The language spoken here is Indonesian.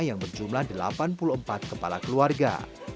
yang berjumlah delapan puluh empat kepala keluarga